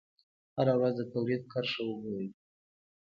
هره ورځ د تولید کرښه وګورئ.